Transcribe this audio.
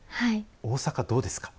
大阪、どうですか？